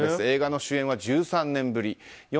映画の主演は１３年ぶり。